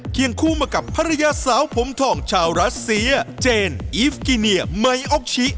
คู่มากับภรรยาสาวผมทองชาวรัสเซียเจนอีฟกิเนียไมโอกชิ